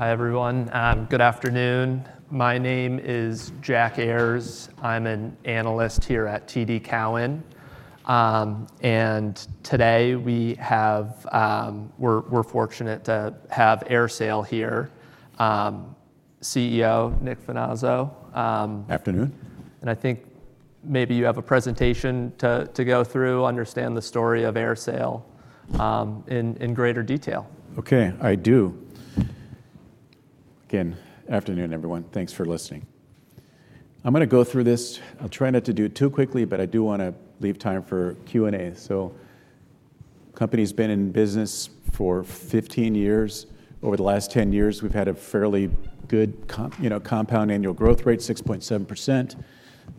Hi, everyone. Good afternoon. My name is Jack Ayers. I'm an analyst here at TD Cowen. And today we have—we're fortunate to have AerSale here. CEO Nick Finazzo. Afternoon. I think maybe you have a presentation to go through, understand the story of AerSale in greater detail. Okay, I do. Good afternoon, everyone. Thanks for listening. I'm going to go through this. I'll try not to do it too quickly, but I do want to leave time for Q&A. So the company's been in business for 15 years. Over the last 10 years, we've had a fairly good compound annual growth rate, 6.7%.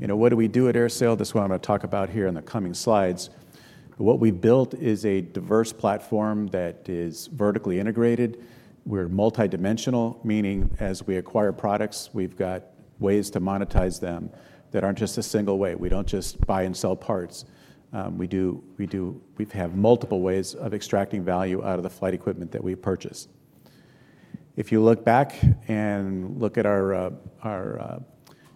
What do we do at AerSale? That's what I'm going to talk about here in the coming slides. What we've built is a diverse platform that is vertically integrated. We're multidimensional, meaning as we acquire products, we've got ways to monetize them that aren't just a single way. We don't just buy and sell parts. We have multiple ways of extracting value out of the flight equipment that we purchase. If you look back and look at our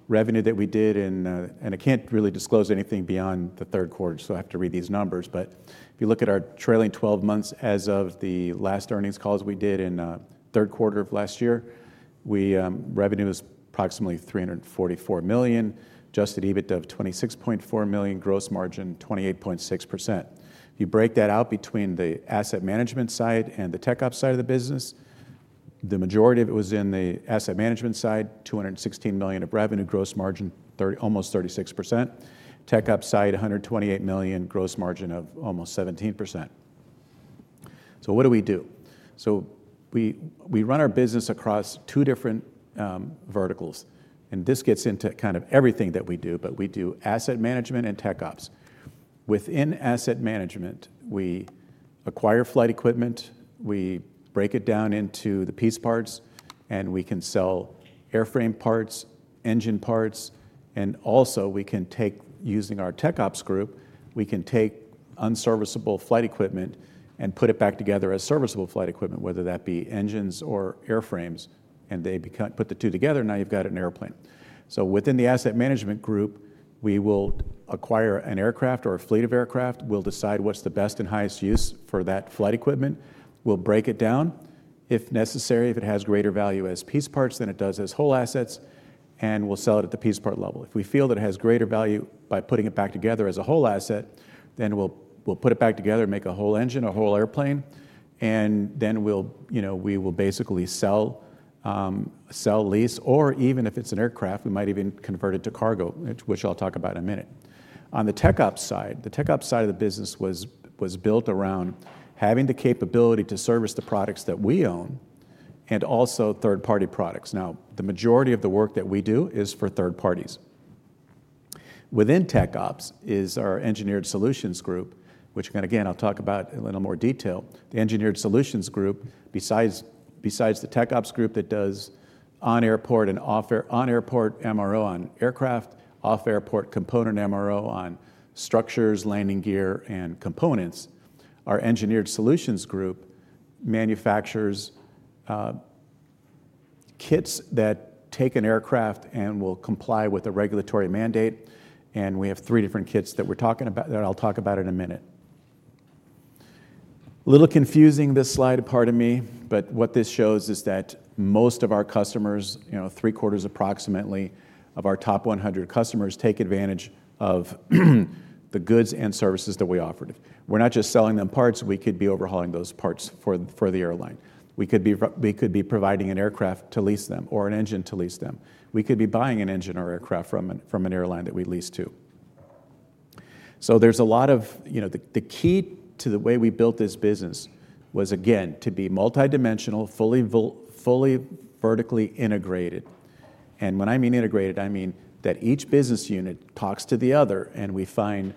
revenue that we did in, and I can't really disclose anything beyond the third quarter, so I have to read these numbers, but if you look at our trailing 12 months as of the last earnings calls we did in the third quarter of last year, revenue was approximately $344 million, adjusted EBITDA of $26.4 million, gross margin 28.6%. If you break that out between the Asset Management side and the TechOps side of the business, the majority of it was in the Asset Management side, $216 million of revenue, gross margin almost 36%. TechOps side, $128 million, gross margin of almost 17%. So what do we do? So we run our business across two different verticals. And this gets into kind of everything that we do, but we do Asset Management and TechOps. Within Asset Management, we acquire flight equipment, we break it down into the piece parts, and we can sell airframe parts, engine parts, and also, using our TechOps group, we can take unserviceable flight equipment and put it back together as serviceable flight equipment, whether that be engines or airframes, and they put the two together, and now you've got an airplane, so within the Asset Management group, we will acquire an aircraft or a fleet of aircraft. We'll decide what's the best and highest use for that flight equipment. We'll break it down, if necessary, if it has greater value as piece parts than it does as whole assets, and we'll sell it at the piece part level. If we feel that it has greater value by putting it back together as a whole asset, then we'll put it back together, make a whole engine, a whole airplane. Then we will basically sell, sell, lease, or even if it's an aircraft, we might even convert it to cargo, which I'll talk about in a minute. On the TechOps side, the TechOps side of the business was built around having the capability to service the products that we own and also third-party products. Now, the majority of the work that we do is for third parties. Within TechOps is our Engineered Solutions group, which again, I'll talk about in a little more detail. The Engineered Solutions group, besides the TechOps group that does on-airport and off-airport MRO on aircraft, off-airport component MRO on structures, landing gear, and components, our Engineered Solutions group manufactures kits that take an aircraft and will comply with a regulatory mandate. We have three different kits that we're talking about that I'll talk about in a minute. A little confusing to me, this slide, but what this shows is that most of our customers, three quarters approximately of our top 100 customers, take advantage of the goods and services that we offered. We're not just selling them parts. We could be overhauling those parts for the airline. We could be providing an aircraft to lease them or an engine to lease them. We could be buying an engine or aircraft from an airline that we lease to. So there's a lot of. The key to the way we built this business was, again, to be multidimensional, fully vertically integrated. And when I mean integrated, I mean that each business unit talks to the other. And we find,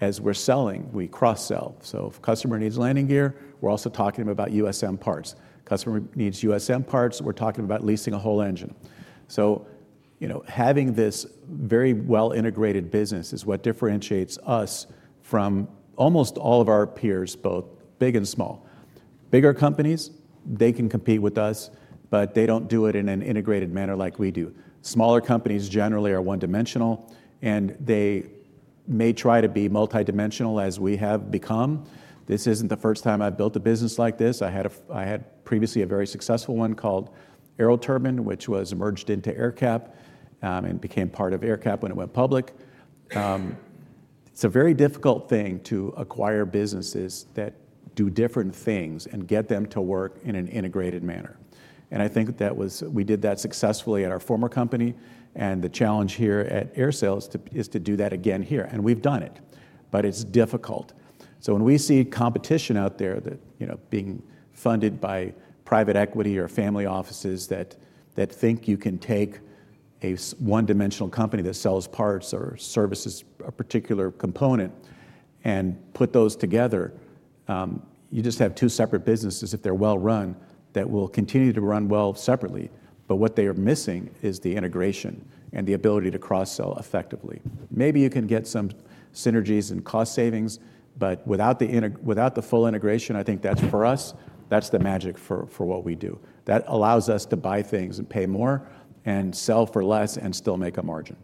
as we're selling, we cross-sell. So if a customer needs landing gear, we're also talking to them about USM parts. A customer needs USM parts, we're talking about leasing a whole engine, so having this very well-integrated business is what differentiates us from almost all of our peers, both big and small. Bigger companies, they can compete with us, but they don't do it in an integrated manner like we do. Smaller companies generally are one-dimensional, and they may try to be multidimensional as we have become. This isn't the first time I've built a business like this. I had previously a very successful one called AeroTurbine, which was merged into AerCap and became part of AerCap when it went public. It's a very difficult thing to acquire businesses that do different things and get them to work in an integrated manner, and I think that we did that successfully at our former company, and the challenge here at AerSale is to do that again here. And we've done it, but it's difficult. So when we see competition out there being funded by private equity or family offices that think you can take a one-dimensional company that sells parts or services a particular component and put those together, you just have two separate businesses if they're well-run that will continue to run well separately. But what they are missing is the integration and the ability to cross-sell effectively. Maybe you can get some synergies and cost savings, but without the full integration, I think that's for us, that's the magic for what we do. That allows us to buy things and pay more and sell for less and still make a margin.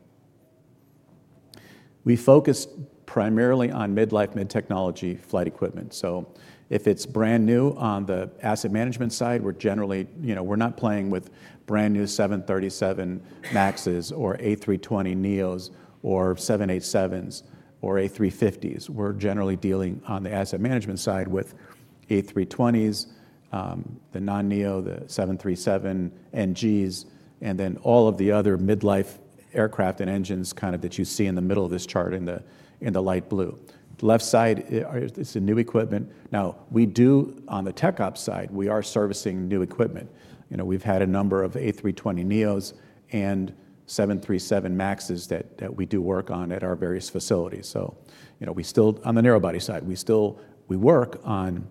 We focus primarily on mid-life, mid-technology flight equipment. So if it's brand new on the Asset Management side, we're generally not playing with brand new 737 MAXs or A320neos or 787s or A350s. We're generally dealing on the Asset Management side with A320s, the non-NEO, the 737NGs, and then all of the other mid-life aircraft and engines kind of that you see in the middle of this chart in the light blue. The left side is the new equipment. Now, on the TechOps side, we are servicing new equipment. We've had a number of A320neos and 737 MAXs that we do work on at our various facilities. So on the narrowbody side, we work on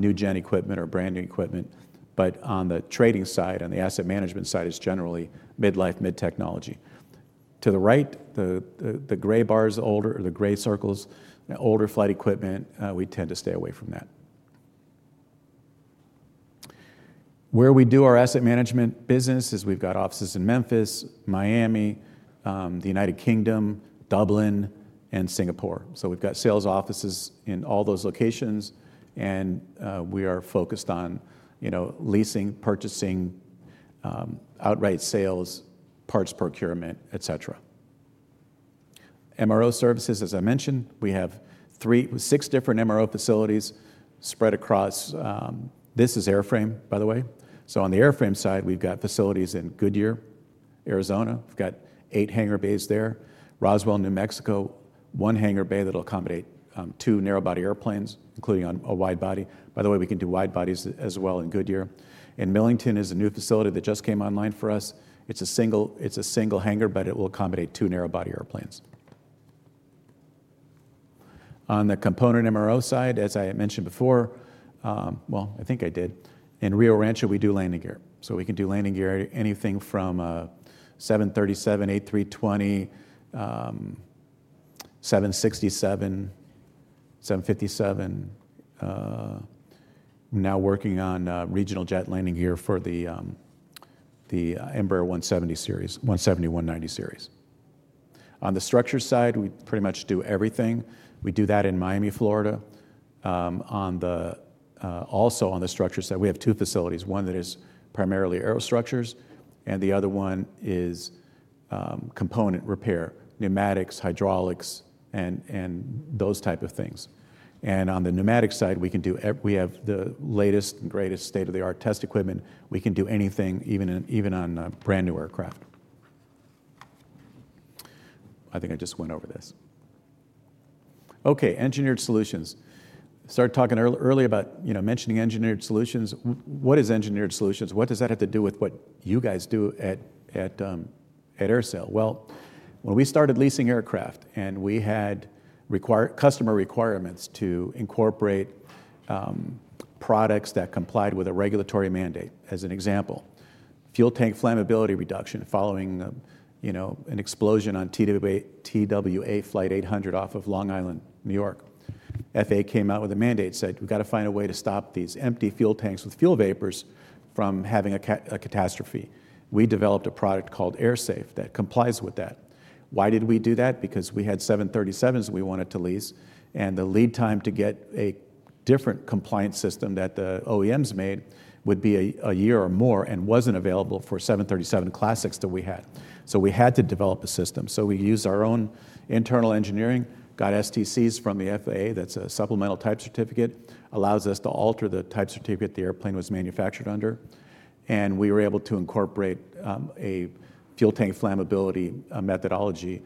new-gen equipment or brand new equipment. But on the trading side and the Asset Management side is generally mid-life, mid-technology. To the right, the gray bars, the gray circles, older flight equipment, we tend to stay away from that. Where we do our Asset Management business is we've got offices in Memphis, Miami, the United Kingdom, Dublin, and Singapore. So we've got sales offices in all those locations. And we are focused on leasing, purchasing, outright sales, parts procurement, et cetera. MRO services, as I mentioned, we have six different MRO facilities spread across. This is airframe, by the way. So on the airframe side, we've got facilities in Goodyear, Arizona. We've got eight hangar bays there. Roswell, New Mexico, one hangar bay that'll accommodate two narrowbody airplanes, including a widebody. By the way, we can do widebodies as well in Goodyear. And Millington is a new facility that just came online for us. It's a single hangar, but it will accommodate two narrowbody airplanes. On the component MRO side, as I mentioned before, well, I think I did, in Rio Rancho, we do landing gear. So we can do landing gear anything from 737, A320, 767, 757. I'm now working on regional jet landing gear for the Embraer 170 series, 170, 190 series. On the structure side, we pretty much do everything. We do that in Miami, Florida. Also on the structure side, we have two facilities, one that is primarily aero structures, and the other one is component repair, pneumatics, hydraulics, and those types of things, and on the pneumatic side, we have the latest and greatest state-of-the-art test equipment. We can do anything, even on brand new aircraft. I think I just went over this. OK, Engineered Solutions. Started talking earlier about mentioning Engineered Solutions. What is Engineered Solutions? What does that have to do with what you guys do at AerSale? Well, when we started leasing aircraft and we had customer requirements to incorporate products that complied with a regulatory mandate, as an example, fuel tank flammability reduction following an explosion on TWA Flight 800 off of Long Island, New York. FAA came out with a mandate, said, "We've got to find a way to stop these empty fuel tanks with fuel vapors from having a catastrophe." We developed a product called AerSafe that complies with that. Why did we do that? Because we had 737s we wanted to lease. And the lead time to get a different compliance system that the OEMs made would be a year or more and wasn't available for 737 Classics that we had. So we had to develop a system. So we used our own internal engineering, got STCs from the FAA. That's a supplemental type certificate. It allows us to alter the type certificate the airplane was manufactured under. And we were able to incorporate a fuel tank flammability methodology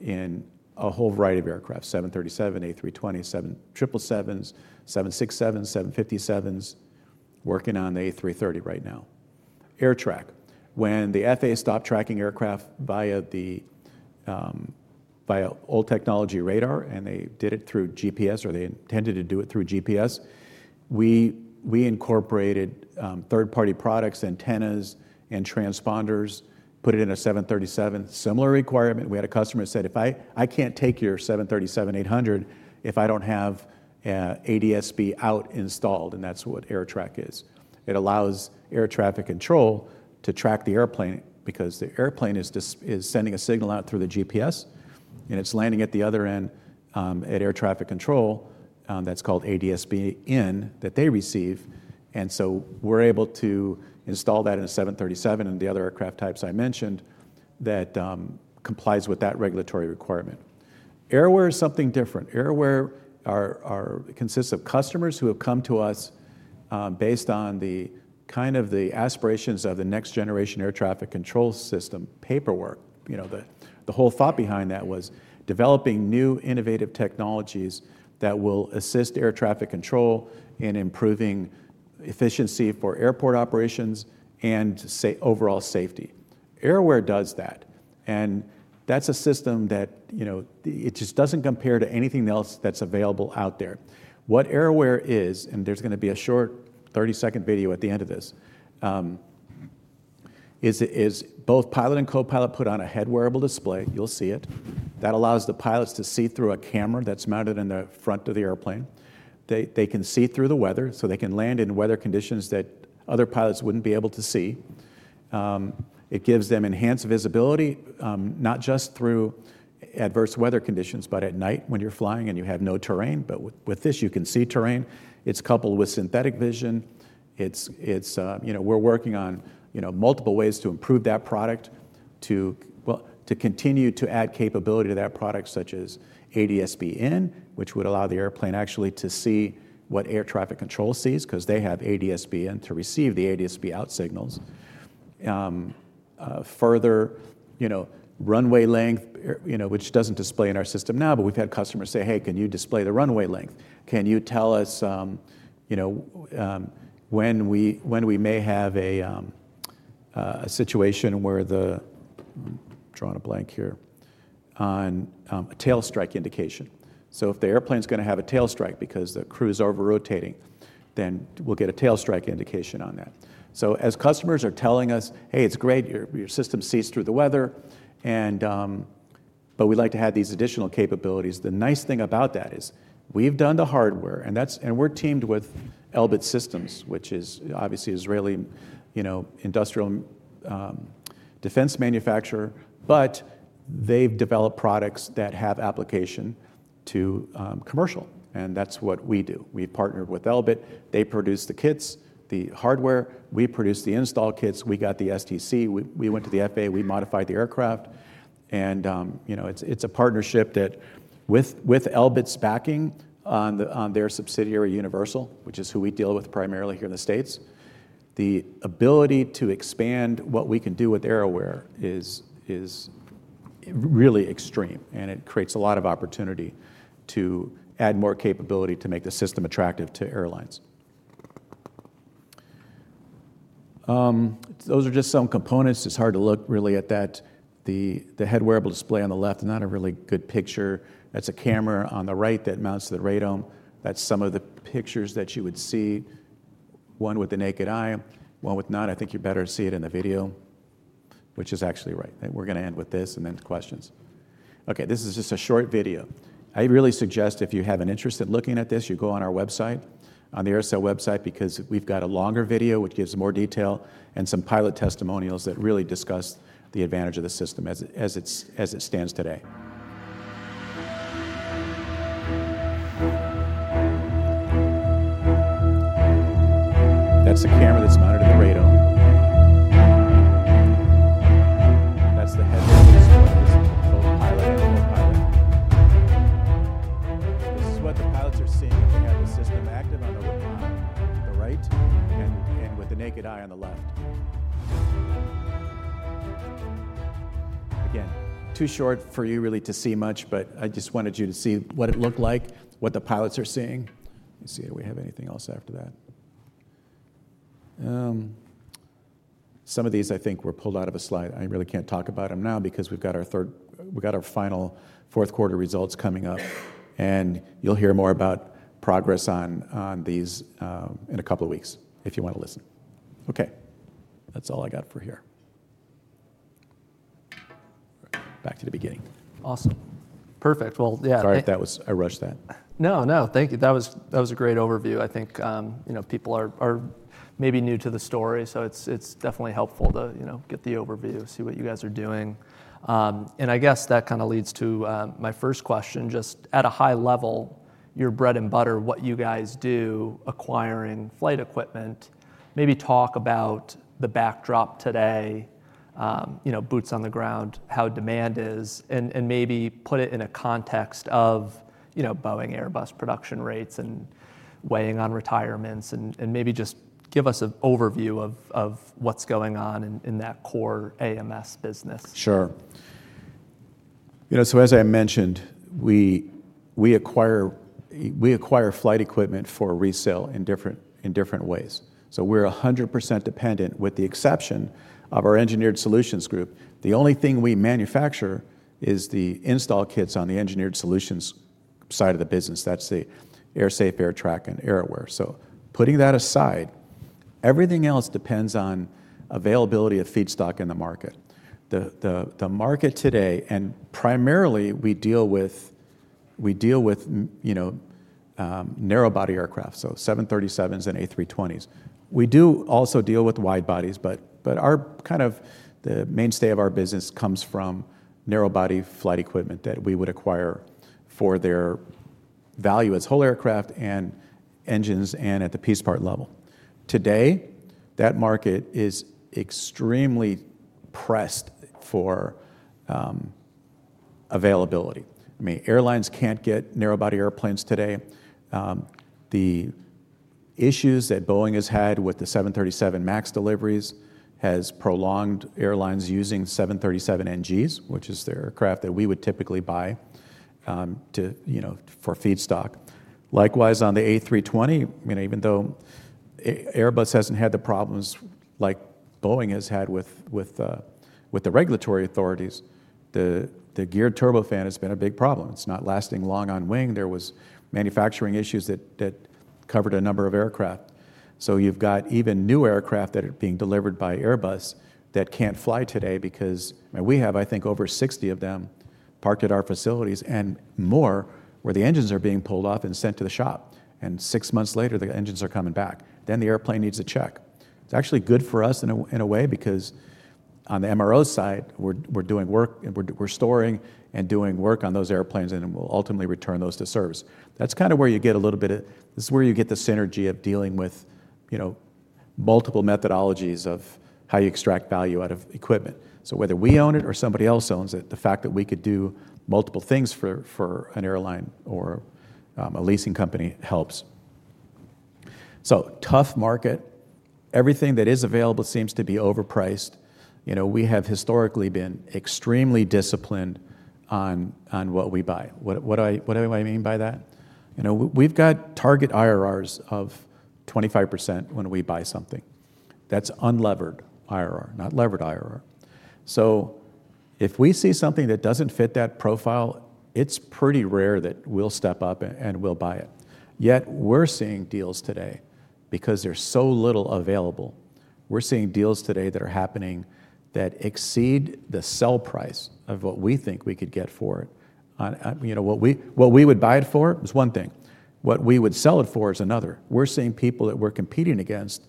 in a whole variety of aircraft, 737s, A320s, 777s, 767s, 757s, working on the A330 right now. AerTrak. When the FAA stopped tracking aircraft via old technology radar, and they did it through GPS, or they intended to do it through GPS, we incorporated third-party products, antennas, and transponders, put it in a 737 similar requirement. We had a customer that said, "I can't take your 737-800 if I don't have ADS-B Out installed." And that's what AerTrak is. It allows air traffic control to track the airplane because the airplane is sending a signal out through the GPS, and it's landing at the other end at air traffic control. That's called ADS-B In that they receive. We are able to install that in a 737 and the other aircraft types I mentioned that complies with that regulatory requirement. AerAware is something different. AerAware consists of customers who have come to us based on kind of the aspirations of the next-generation air traffic control system paperwork. The whole thought behind that was developing new innovative technologies that will assist air traffic control in improving efficiency for airport operations and overall safety. AerAware does that. That is a system that it just does not compare to anything else that is available out there. What AerAware is, and there is going to be a short 30-second video at the end of this, is both pilot and co-pilot put on a head-wearable display. You will see it. That allows the pilots to see through a camera that is mounted in the front of the airplane. They can see through the weather, so they can land in weather conditions that other pilots wouldn't be able to see. It gives them enhanced visibility, not just through adverse weather conditions, but at night when you're flying and you have no terrain. But with this, you can see terrain. It's coupled with synthetic vision. We're working on multiple ways to improve that product to continue to add capability to that product, such as ADS-B In, which would allow the airplane actually to see what air traffic control sees because they have ADS-B In to receive the ADS-B Out signals. Further runway length, which doesn't display in our system now, but we've had customers say, "Hey, can you display the runway length? Can you tell us when we may have a situation where the, drawing a blank here, on a tail strike indication?" So if the airplane's going to have a tail strike because the crew's over-rotating, then we'll get a tail strike indication on that. So as customers are telling us, "Hey, it's great. Your system sees through the weather, but we'd like to have these additional capabilities." The nice thing about that is we've done the hardware, and we're teamed with Elbit Systems, which is obviously an Israeli industrial defense manufacturer, but they've developed products that have application to commercial. And that's what we do. We've partnered with Elbit. They produce the kits, the hardware. We produce the install kits. We got the STC. We went to the FAA. We modified the aircraft. It's a partnership that, with Elbit's backing on their subsidiary, Universal, which is who we deal with primarily here in the States, the ability to expand what we can do with AerAware is really extreme. It creates a lot of opportunity to add more capability to make the system attractive to airlines. Those are just some components. It's hard to look really at that. The head-wearable display on the left is not a really good picture. That's a camera on the right that mounts to the radome. That's some of the pictures that you would see, one with the naked eye, one with not. I think you'd better see it in the video, which is actually right. We're going to end with this and then questions. Ok, this is just a short video. I really suggest if you have an interest in looking at this, you go on our website, on the AerSale website, because we've got a longer video which gives more detail and some pilot testimonials that really discuss the advantage of the system as it stands today. That's the camera that's mounted at the radome. That's the head-wearable display. This is the pilot and co-pilot. This is what the pilots are seeing if they have the system active on the right and with the naked eye on the left. Again, too short for you really to see much, but I just wanted you to see what it looked like, what the pilots are seeing. Let me see if we have anything else after that. Some of these, I think, were pulled out of a slide. I really can't talk about them now because we've got our final fourth quarter results coming up, and you'll hear more about progress on these in a couple of weeks if you want to listen. Ok, that's all I got for here. Back to the beginning. Awesome. Perfect. Well, yeah. Sorry, I rushed that. No, no. Thank you. That was a great overview. I think people are maybe new to the story, so it's definitely helpful to get the overview, see what you guys are doing, and I guess that kind of leads to my first question. Just at a high level, your bread and butter, what you guys do, acquiring flight equipment, maybe talk about the backdrop today, boots on the ground, how demand is, and maybe put it in a context of Boeing, Airbus production rates and weighing on retirements, and maybe just give us an overview of what's going on in that core AMS business. Sure. So as I mentioned, we acquire flight equipment for resale in different ways. So we're 100% dependent, with the exception of our Engineered Solutions group. The only thing we manufacture is the install kits on the Engineered Solutions side of the business. That's the AerSafe, AerTrak, and AerAware. So putting that aside, everything else depends on availability of feedstock in the market. The market today, and primarily we deal with narrowbody aircraft, so 737s and A320s. We do also deal with widebodies, but kind of the mainstay of our business comes from narrowbody flight equipment that we would acquire for their value as whole aircraft and engines and at the piece part level. Today, that market is extremely pressed for availability. I mean, airlines can't get narrowbody airplanes today. The issues that Boeing has had with the 737 MAX deliveries has prolonged airlines using 737NGs, which is their aircraft that we would typically buy for feedstock. Likewise, on the A320, even though Airbus hasn't had the problems like Boeing has had with the regulatory authorities, the geared turbofan has been a big problem. It's not lasting long on wing. There were manufacturing issues that covered a number of aircraft. You've got even new aircraft that are being delivered by Airbus that can't fly today because we have, I think, over 60 of them parked at our facilities and more where the engines are being pulled off and sent to the shop, and six months later, the engines are coming back, then the airplane needs a check. It's actually good for us in a way because on the MRO side, we're doing work, and we're storing and doing work on those airplanes, and we'll ultimately return those to service. That's kind of where you get a little bit of this is where you get the synergy of dealing with multiple methodologies of how you extract value out of equipment. So whether we own it or somebody else owns it, the fact that we could do multiple things for an airline or a leasing company helps. So, tough market. Everything that is available seems to be overpriced. We have historically been extremely disciplined on what we buy. What do I mean by that? We've got target IRRs of 25% when we buy something. That's unlevered IRR, not levered IRR. So if we see something that doesn't fit that profile, it's pretty rare that we'll step up and we'll buy it. Yet we're seeing deals today because there's so little available. We're seeing deals today that are happening that exceed the sell price of what we think we could get for it. What we would buy it for is one thing. What we would sell it for is another. We're seeing people that we're competing against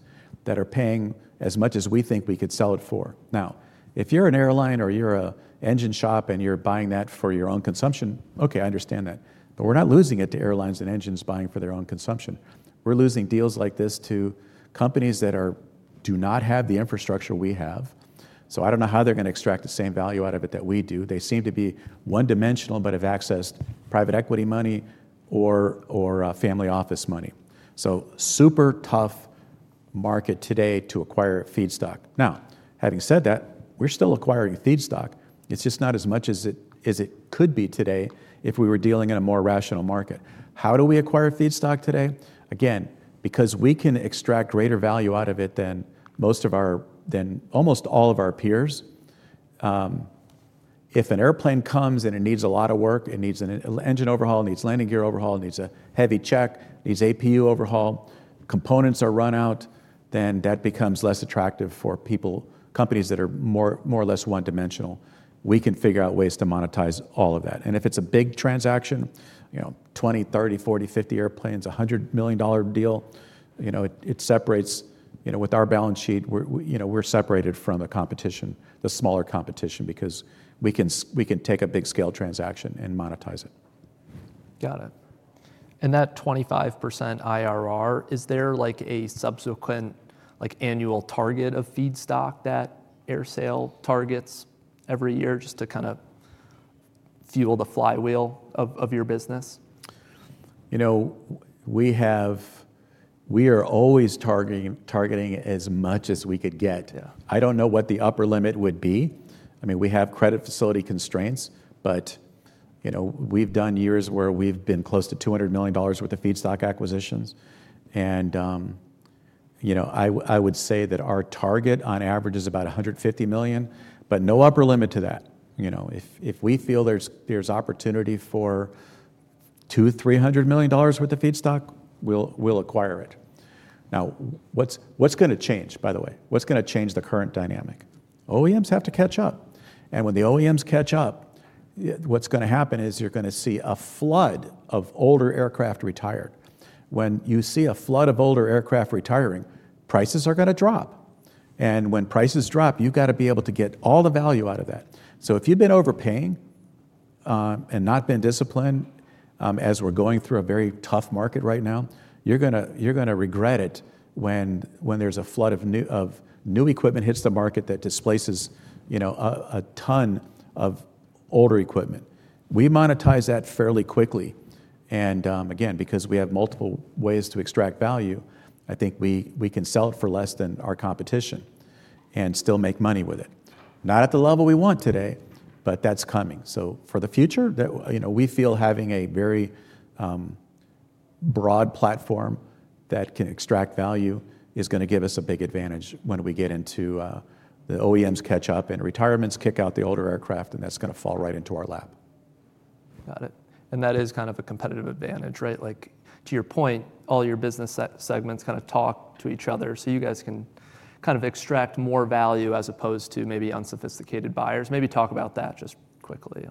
that are paying as much as we think we could sell it for. Now, if you're an airline or you're an engine shop and you're buying that for your own consumption, OK, I understand that. But we're not losing it to airlines and engines buying for their own consumption. We're losing deals like this to companies that do not have the infrastructure we have. So I don't know how they're going to extract the same value out of it that we do. They seem to be one-dimensional but have accessed private equity money or family office money. So super tough market today to acquire feedstock. Now, having said that, we're still acquiring feedstock. It's just not as much as it could be today if we were dealing in a more rational market. How do we acquire feedstock today? Again, because we can extract greater value out of it than almost all of our peers. If an airplane comes and it needs a lot of work, it needs an engine overhaul, it needs landing gear overhaul, it needs a heavy check, it needs APU overhaul, components are run out, then that becomes less attractive for companies that are more or less one-dimensional. We can figure out ways to monetize all of that. And if it's a big transaction, 20, 30, 40, 50 airplanes, $100 million deal, it separates with our balance sheet. We're separated from the competition, the smaller competition, because we can take a big-scale transaction and monetize it. Got it. And that 25% IRR, is there a subsequent annual target of feedstock that AerSale targets every year just to kind of fuel the flywheel of your business? You know, we are always targeting as much as we could get. I don't know what the upper limit would be. I mean, we have credit facility constraints, but we've done years where we've been close to $200 million worth of feedstock acquisitions. And I would say that our target on average is about $150 million, but no upper limit to that. If we feel there's opportunity for $200 million-$300 million worth of feedstock, we'll acquire it. Now, what's going to change, by the way? What's going to change the current dynamic? OEMs have to catch up. And when the OEMs catch up, what's going to happen is you're going to see a flood of older aircraft retire. When you see a flood of older aircraft retiring, prices are going to drop. And when prices drop, you've got to be able to get all the value out of that. So if you've been overpaying and not been disciplined as we're going through a very tough market right now, you're going to regret it when there's a flood of new equipment that hits the market that displaces a ton of older equipment. We monetize that fairly quickly. And again, because we have multiple ways to extract value, I think we can sell it for less than our competition and still make money with it. Not at the level we want today, but that's coming. So for the future, we feel having a very broad platform that can extract value is going to give us a big advantage when we get into the OEMs catch up and retirements kick out the older aircraft, and that's going to fall right into our lap. Got it. And that is kind of a competitive advantage, right? To your point, all your business segments kind of talk to each other, so you guys can kind of extract more value as opposed to maybe unsophisticated buyers. Maybe talk about that just quickly.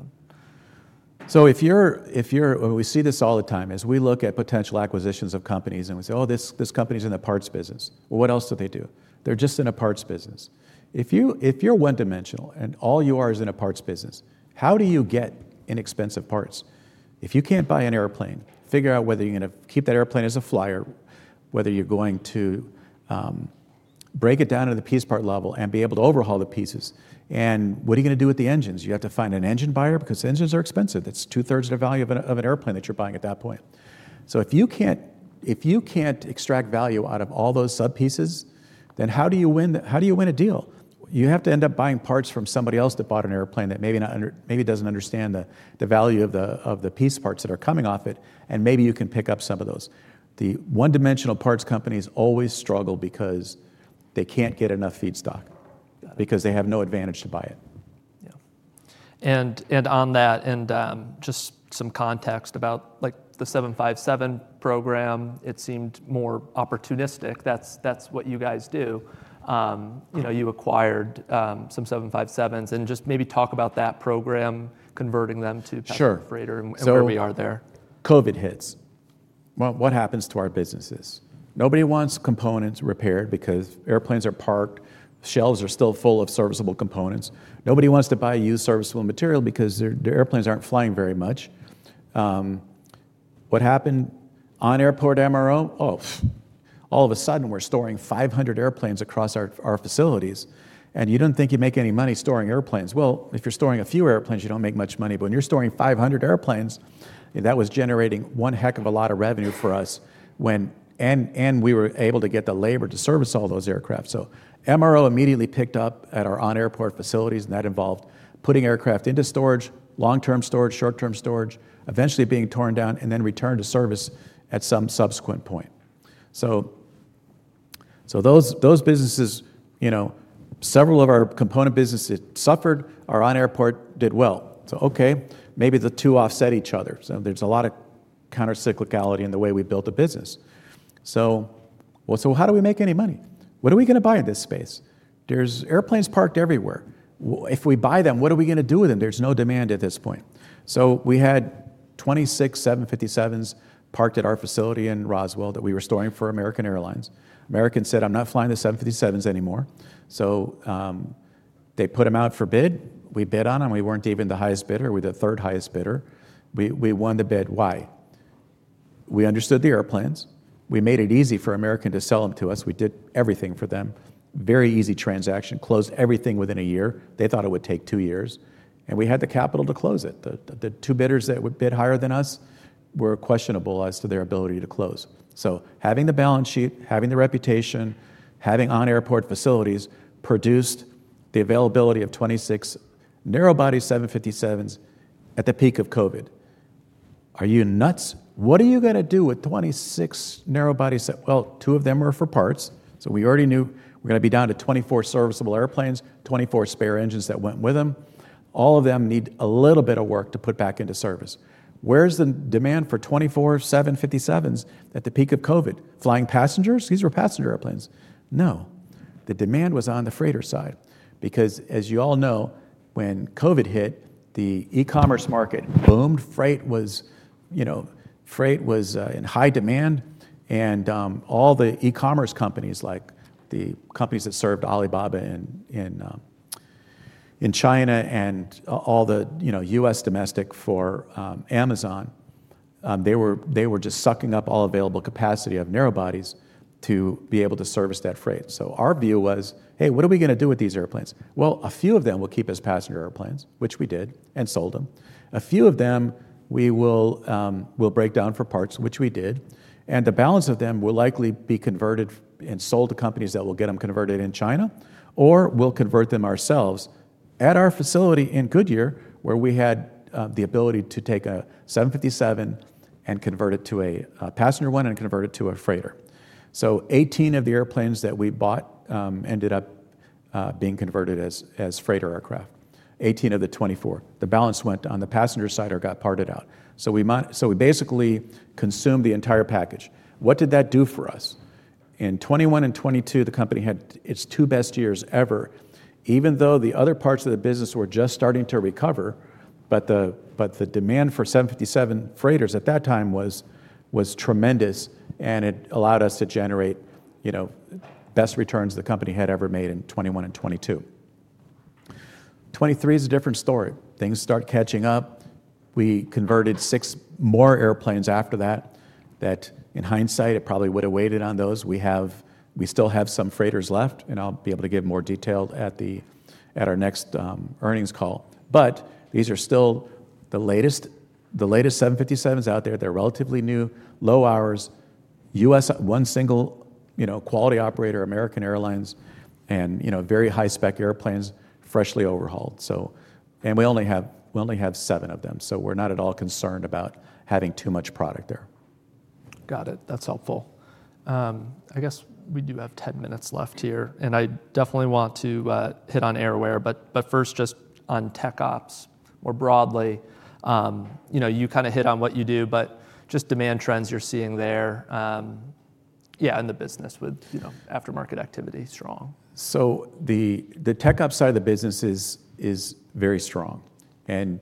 We see this all the time as we look at potential acquisitions of companies and we say, oh, this company's in the parts business. Well, what else do they do? They're just in a parts business. If you're one-dimensional and all you are is in a parts business, how do you get inexpensive parts? If you can't buy an airplane, figure out whether you're going to keep that airplane as a flyer, whether you're going to break it down to the piece part level and be able to overhaul the pieces. And what are you going to do with the engines? You have to find an engine buyer because engines are expensive. That's two-thirds of the value of an airplane that you're buying at that point. So if you can't extract value out of all those subpieces, then how do you win a deal? You have to end up buying parts from somebody else that bought an airplane that maybe doesn't understand the value of the piece parts that are coming off it, and maybe you can pick up some of those. The one-dimensional parts companies always struggle because they can't get enough feedstock because they have no advantage to buy it. Yeah. And on that, and just some context about the 757 program, it seemed more opportunistic. That's what you guys do. You acquired some 757s. And just maybe talk about that program, converting them to passenger freighter and where we are there. COVID hits. What happens to our businesses? Nobody wants components repaired because airplanes are parked, shelves are still full of serviceable components. Nobody wants to buy used serviceable material because the airplanes aren't flying very much. What happened to on-airport MRO? Oh, all of a sudden, we're storing 500 airplanes across our facilities, and you didn't think you'd make any money storing airplanes. If you're storing a few airplanes, you don't make much money. But when you're storing 500 airplanes, that was generating one heck of a lot of revenue for us, and we were able to get the labor to service all those aircraft. MRO immediately picked up at our on-airport facilities, and that involved putting aircraft into storage, long-term storage, short-term storage, eventually being torn down, and then returned to service at some subsequent point. Those businesses, several of our component businesses that suffered. Our on-airport did well. OK, maybe the two offset each other. There's a lot of countercyclicality in the way we built a business. How do we make any money? What are we going to buy in this space? There's airplanes parked everywhere. If we buy them, what are we going to do with them? There's no demand at this point. We had 26 757s parked at our facility in Roswell that we were storing for American Airlines. American said, I'm not flying the 757s anymore. They put them out for bid. We bid on them. We weren't even the highest bidder. We were the third highest bidder. We won the bid. Why? We understood the airplanes. We made it easy for American to sell them to us. We did everything for them. Very easy transaction. Closed everything within a year. They thought it would take two years, and we had the capital to close it. The two bidders that bid higher than us were questionable as to their ability to close, so having the balance sheet, having the reputation, having on-airport facilities produced the availability of 26 narrowbody 757s at the peak of COVID. Are you nuts? What are you going to do with 26 narrowbody? Well, two of them were for parts, so we already knew we were going to be down to 24 serviceable airplanes, 24 spare engines that went with them. All of them need a little bit of work to put back into service. Where's the demand for 24 757s at the peak of COVID? Flying passengers? These were passenger airplanes. No. The demand was on the freighter side. Because as you all know, when COVID hit, the e-commerce market boomed. Freight was in high demand. And all the e-commerce companies, like the companies that served Alibaba in China and all the U.S. domestic for Amazon, they were just sucking up all available capacity of narrowbodies to be able to service that freight. So our view was, hey, what are we going to do with these airplanes? Well, a few of them will keep as passenger airplanes, which we did and sold them. A few of them we will break down for parts, which we did. And the balance of them will likely be converted and sold to companies that will get them converted in China, or we'll convert them ourselves at our facility in Goodyear, where we had the ability to take a 757 and convert it to a passenger one and convert it to a freighter. So 18 of the airplanes that we bought ended up being converted as freighter aircraft, 18 of the 24. The balance went on the passenger side or got parted out. So we basically consumed the entire package. What did that do for us? In 2021 and 2022, the company had its two best years ever, even though the other parts of the business were just starting to recover. But the demand for 757 freighters at that time was tremendous, and it allowed us to generate best returns the company had ever made in 2021 and 2022. 2023 is a different story. Things start catching up. We converted six more airplanes after that. In hindsight, it probably would have waited on those. We still have some freighters left, and I'll be able to give more detail at our next earnings call. But these are still the latest 757s out there. They're relatively new, low hours, one single quality operator, American Airlines, and very high-spec airplanes freshly overhauled, and we only have seven of them, so we're not at all concerned about having too much product there. Got it. That's helpful. I guess we do have 10 minutes left here, and I definitely want to hit on AerAware. But first, just on TechOps more broadly. You kind of hit on what you do, but just demand trends you're seeing there. Yeah, and the business with aftermarket activity strong. So the TechOps side of the business is very strong and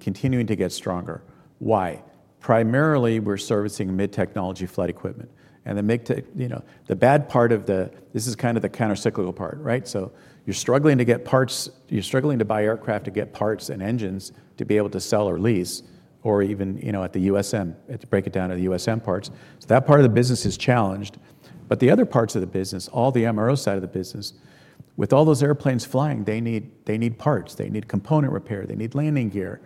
continuing to get stronger. Why? Primarily, we're servicing mid-technology flight equipment. And the bad part of this is kind of the countercyclical part, right? So you're struggling to get parts. You're struggling to buy aircraft to get parts and engines to be able to sell or lease, or even at the USM, to break it down to the USM parts. So that part of the business is challenged. But the other parts of the business, all the MRO side of the business, with all those airplanes flying, they need parts. They need component repair. They need landing gear.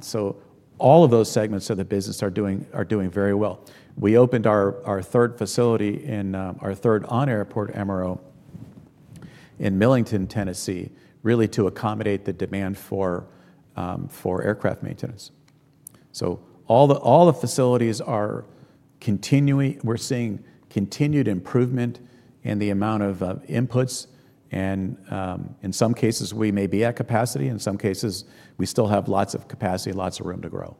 So all of those segments of the business are doing very well. We opened our third facility in our third on-airport MRO in Millington, Tennessee, really to accommodate the demand for aircraft maintenance. All the facilities are continuing. We're seeing continued improvement in the amount of inputs. In some cases, we may be at capacity. In some cases, we still have lots of capacity, lots of room to grow.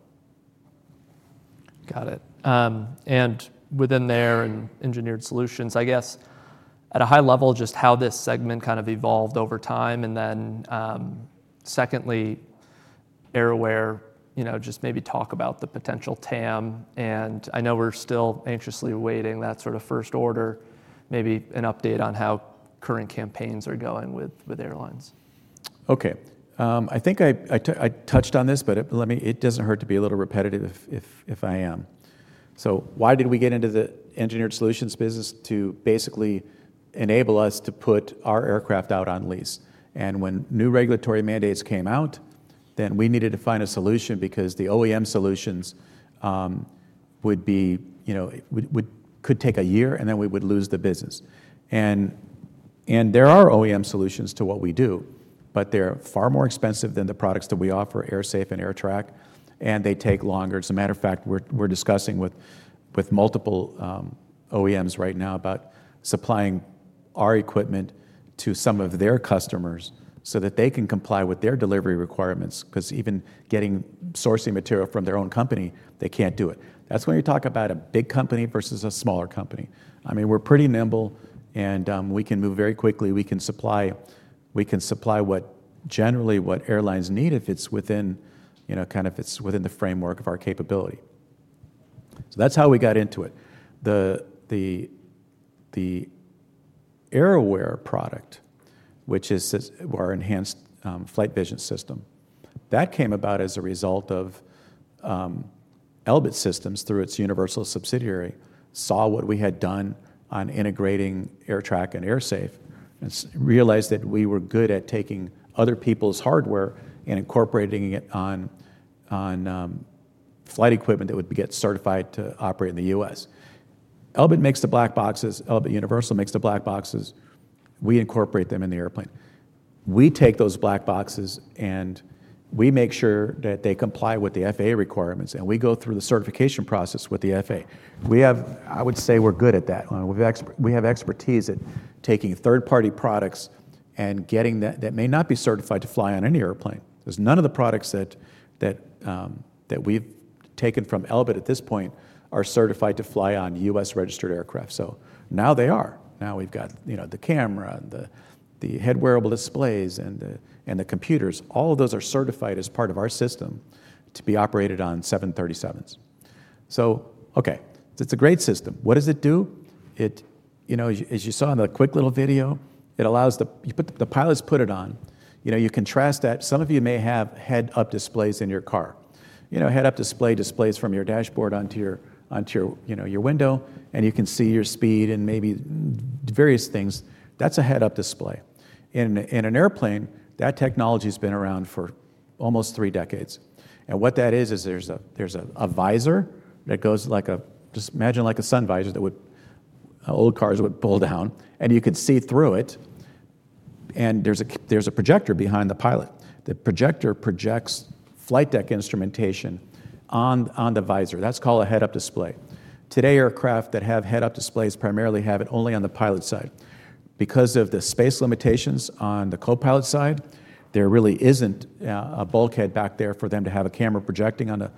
Got it. And within there and Engineered Solutions, I guess, at a high level, just how this segment kind of evolved over time. And then secondly, AerAware, just maybe talk about the potential TAM. And I know we're still anxiously awaiting that sort of first order, maybe an update on how current campaigns are going with airlines. OK. I think I touched on this, but it doesn't hurt to be a little repetitive if I am. So why did we get into the Engineered Solutions business to basically enable us to put our aircraft out on lease? And when new regulatory mandates came out, then we needed to find a solution because the OEM solutions could take a year, and then we would lose the business. And there are OEM solutions to what we do, but they're far more expensive than the products that we offer, AerSafe and AerTrak, and they take longer. As a matter of fact, we're discussing with multiple OEMs right now about supplying our equipment to some of their customers so that they can comply with their delivery requirements because even getting sourcing material from their own company, they can't do it. That's when you talk about a big company versus a smaller company. I mean, we're pretty nimble, and we can move very quickly. We can supply generally what airlines need if it's within kind of the framework of our capability. So that's how we got into it. The AerAware product, which is our enhanced flight vision system, that came about as a result of Elbit Systems through its Universal subsidiary saw what we had done on integrating AerTrak and AerSafe and realized that we were good at taking other people's hardware and incorporating it on flight equipment that would get certified to operate in the U.S. Elbit makes the black boxes. Elbit Universal makes the black boxes. We incorporate them in the airplane. We take those black boxes, and we make sure that they comply with the FAA requirements, and we go through the certification process with the FAA. I would say we're good at that. We have expertise at taking third-party products and getting that may not be certified to fly on any airplane. There's none of the products that we've taken from Elbit at this point are certified to fly on U.S.-registered aircraft. So now they are. Now we've got the camera, the head-wearable displays, and the computers. All of those are certified as part of our system to be operated on 737s. So OK, it's a great system. What does it do? As you saw in the quick little video, the pilots put it on. You contrast that. Some of you may have head-up displays in your car. Head-up display displays from your dashboard onto your window, and you can see your speed and maybe various things. That's a head-up display. In an airplane, that technology has been around for almost three decades. What that is is there's a visor that goes like a just imagine like a sun visor that old cars would pull down, and you could see through it. There's a projector behind the pilot. The projector projects flight deck instrumentation on the visor. That's called a head-up display. Today, aircraft that have head-up displays primarily have it only on the pilot side. Because of the space limitations on the co-pilot side, there really isn't a bulkhead back there for them to have a camera projecting on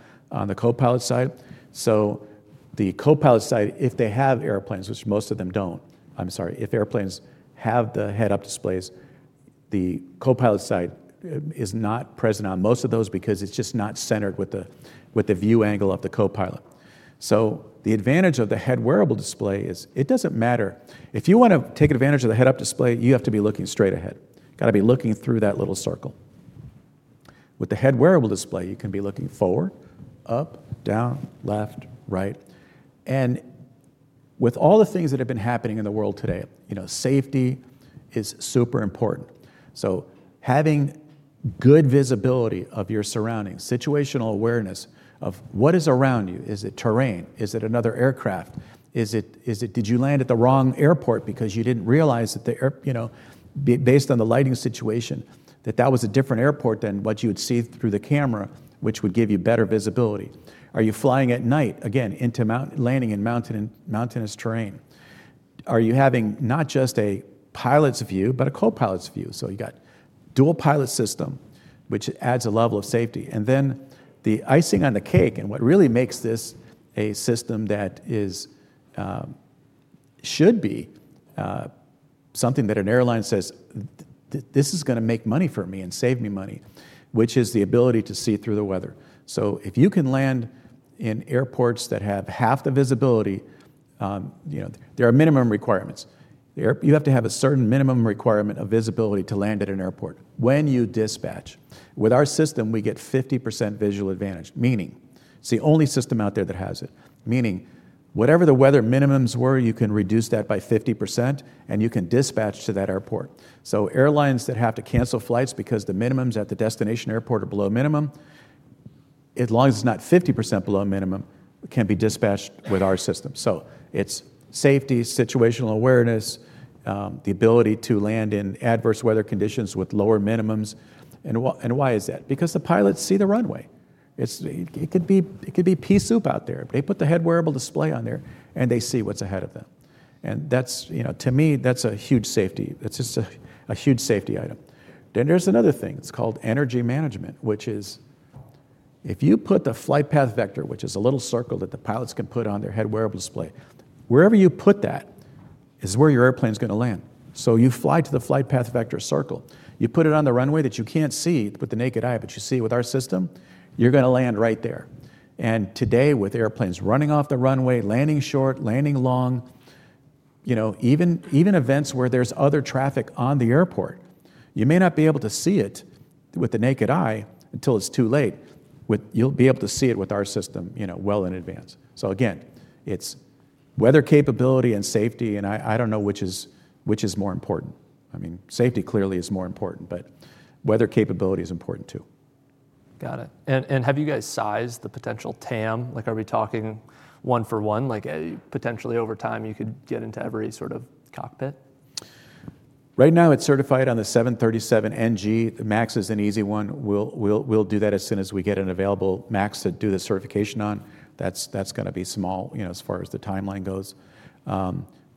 the co-pilot side. The co-pilot side, if they have airplanes, which most of them don't. I'm sorry, if airplanes have the head-up displays, the co-pilot side is not present on most of those because it's just not centered with the view angle of the co-pilot. The advantage of the head-wearable display is it doesn't matter. If you want to take advantage of the head-up display, you have to be looking straight ahead. Got to be looking through that little circle. With the head-wearable display, you can be looking forward, up, down, left, right, and with all the things that have been happening in the world today, safety is super important. So having good visibility of your surroundings, situational awareness of what is around you, is it terrain? Is it another aircraft? Did you land at the wrong airport because you didn't realize that, based on the lighting situation, that that was a different airport than what you would see through the camera, which would give you better visibility? Are you flying at night, again, landing in mountainous terrain? Are you having not just a pilot's view, but a co-pilot's view, so you've got a dual-pilot system, which adds a level of safety. And then the icing on the cake and what really makes this a system that should be something that an airline says, this is going to make money for me and save me money, which is the ability to see through the weather. So if you can land in airports that have half the visibility, there are minimum requirements. You have to have a certain minimum requirement of visibility to land at an airport when you dispatch. With our system, we get 50% visual advantage, meaning it's the only system out there that has it. Meaning, whatever the weather minimums were, you can reduce that by 50%, and you can dispatch to that airport. So airlines that have to cancel flights because the minimums at the destination airport are below minimum, as long as it's not 50% below minimum, can be dispatched with our system. It's safety, situational awareness, the ability to land in adverse weather conditions with lower minimums. And why is that? Because the pilots see the runway. It could be pea soup out there, but they put the head-wearable display on there, and they see what's ahead of them. And to me, that's a huge safety. That's just a huge safety item. Then there's another thing. It's called energy management, which is if you put the flight path vector, which is a little circle that the pilots can put on their head-wearable display, wherever you put that is where your airplane's going to land. So you fly to the flight path vector circle. You put it on the runway that you can't see with the naked eye, but you see with our system. You're going to land right there. Today, with airplanes running off the runway, landing short, landing long, even events where there's other traffic on the airport, you may not be able to see it with the naked eye until it's too late. You'll be able to see it with our system well in advance. Again, it's weather capability and safety, and I don't know which is more important. I mean, safety clearly is more important, but weather capability is important too. Got it. And have you guys sized the potential TAM? Are we talking one for one? Potentially over time, you could get into every sort of cockpit? Right now, it's certified on the 737 NG. MAX is an easy one. We'll do that as soon as we get an available MAX to do the certification on. That's going to be small as far as the timeline goes.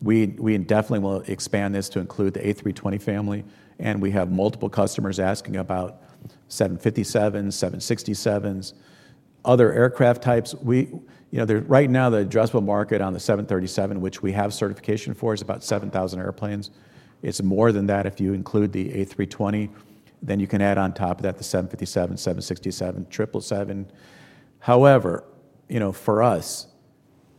We definitely will expand this to include the A320 family. And we have multiple customers asking about 757s, 767s, other aircraft types. Right now, the addressable market on the 737, which we have certification for, is about 7,000 airplanes. It's more than that if you include the A320. Then you can add on top of that the 757, 767, 777. However, for us,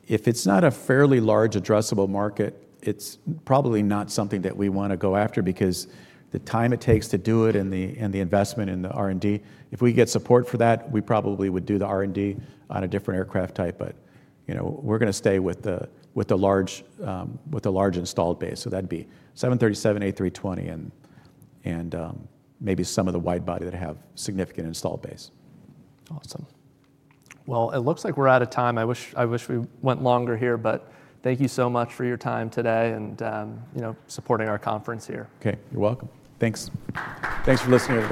if it's not a fairly large addressable market, it's probably not something that we want to go after because the time it takes to do it and the investment in the R&D, if we get support for that, we probably would do the R&D on a different aircraft type. But we're going to stay with the large installed base. So that'd be 737, A320, and maybe some of the wide body that have significant installed base. Awesome. Well, it looks like we're out of time. I wish we went longer here, but thank you so much for your time today and supporting our conference here. OK. You're welcome. Thanks. Thanks for listening.